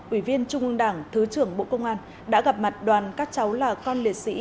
ủy viên trung ương đảng thứ trưởng bộ công an đã gặp mặt đoàn các cháu là con liệt sĩ